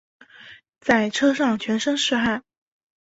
在车上全身是汗